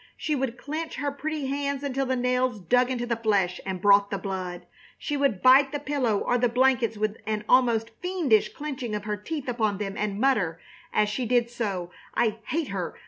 She would clench her pretty hands until the nails dug into the flesh and brought the blood. She would bite the pillow or the blankets with an almost fiendish clenching of her teeth upon them and mutter, as she did so: "I hate her!